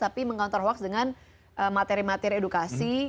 tapi meng counter hoaks dengan materi materi edukasi